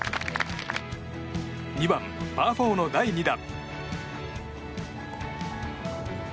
２番、パー４の第２打。